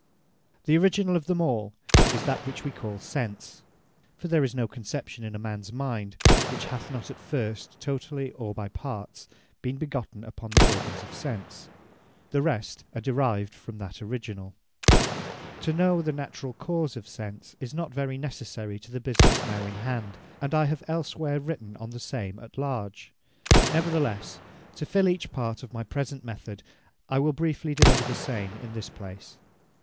The Originall of them all, is that which we call Sense; (For there is no conception in a mans mind, which hath not at first, totally, or by parts, been begotten upon the organs of Sense.) The rest are derived from that originall. To know the naturall cause of Sense, is not very necessary to the business now in hand; and I have els where written of the same at large. Nevertheless, to fill each part of my present method, I will briefly deliver the same in this place.